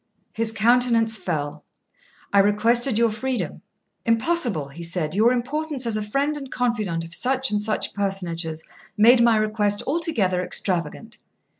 His countenance fell. I requested your freedom. "Impossible," he said; "your importance as a friend and confidant of such and such personages made my request altogether extravagant."